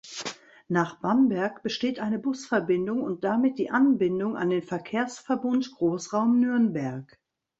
Nach Bamberg besteht eine Busverbindung und damit die Anbindung an den Verkehrsverbund Großraum Nürnberg.